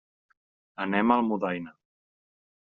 Anem a Almudaina.